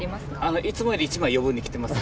いつもより１枚よぶんに着てますね。